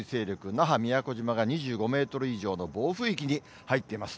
那覇、宮古島が２５メートル以上の暴風域に入っています。